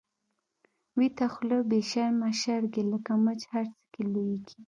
ويته خوله بی شرمه شرګی، لکه مچ هر څه کی لويږی